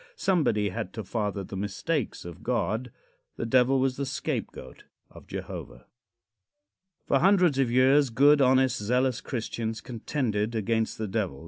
Somebody had to father the mistakes of God. The Devil was the scapegoat of Jehovah. For hundreds of years, good, honest, zealous Christians contended against the Devil.